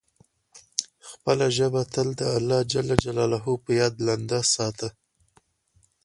خپله ژبه تل د الله جل جلاله په یاد لنده ساته.